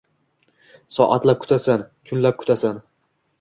Soatlab kutasan, kunlab kutasan